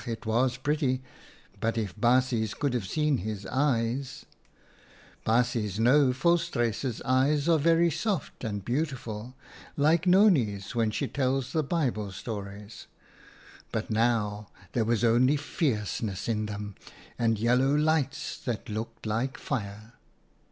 it was pretty, but if baasjes could have seen his eyes ! Baasjes know, Volstruis's eyes are very soft and beautiful — like Nonnie's when she tells the Bible stories ; but now there was only fierceness in them,, and yellow lights that looked like fire.